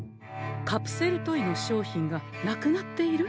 カプセルトイの商品がなくなっている？